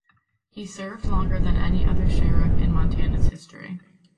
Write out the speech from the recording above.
He served longer than any other sheriff in Montana's history.